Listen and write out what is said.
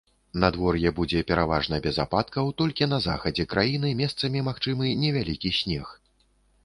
Надвор'е будзе пераважна без ападкаў, толькі на захадзе краіны месцамі магчымы невялікі снег.